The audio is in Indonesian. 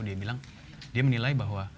dia bilang dia menilai bahwa